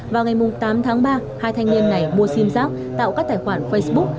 vào ngày tám tháng ba hai thanh niên này mua sim giác tạo các tài khoản facebook